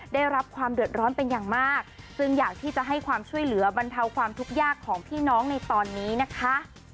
ได้รับความเดือดร้อนเป็นอย่างมากจึงอยากที่จะให้ความช่วยเหลือบรรเทาความทุกข์ยากของพี่น้องในตอนนี้นะคะ